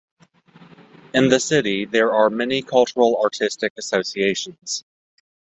In the city there are many Cultural Artistic Associations.